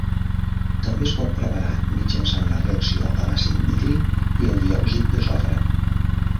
També es pot preparar mitjançant la reacció de l'àcid nítric i el diòxid de sofre.